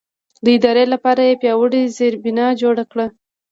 د ادارې لپاره یې پیاوړې زېربنا جوړه کړه.